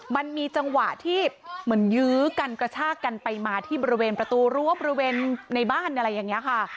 มันมีจังหวะที่เหมือนยื้อกันกระชากกันไปมาที่บริเวณประตูรั้วบริเวณในบ้านอะไรอย่างนี้ค่ะ